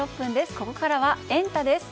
ここからはエンタ！です。